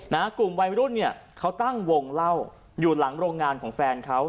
กลุ่มวัยรุ่นเนี่ยเขาตั้งวงเล่าอยู่หลังโรงงานของแฟนเขา